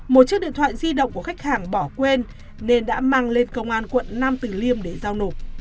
một chiếc điện thoại di động của khách hàng bỏ quên nên đã mang lên công an quận nam tử liêm để giao nộp